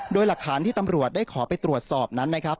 โดยหลักฐานที่ตำรวจได้ขอไปตรวจสอบนั้นนะครับ